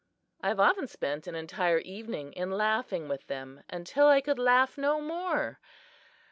I have often spent an entire evening in laughing with them until I could laugh no more.